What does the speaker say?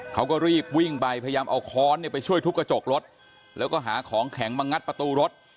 เขาก็รีบวิ่งไปพยายามเอาค้อนเนี่ยไปช่วยทุบกระจกรถแล้วก็หาของแข็งมางัดประตูรถ